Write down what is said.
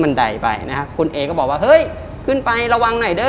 ใดไปนะฮะคุณเอก็บอกว่าเฮ้ยขึ้นไประวังหน่อยเด้อ